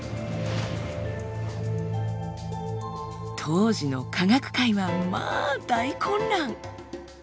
当時の科学界はまあ大混乱！